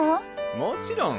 もちろん。